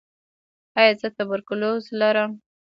ایا زه تبرکلوز لرم؟